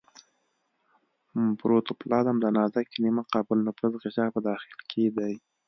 پروتوپلازم د نازکې نیمه قابل نفوذ غشا په داخل کې دی.